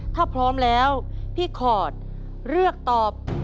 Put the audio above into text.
ถ้าพร้อมแล้วพี่ขอดเลือกตอบ